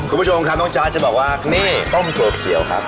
คุณผู้ชมครับน้องจ๊ะจะบอกว่านี่ต้มถั่วเขียวครับ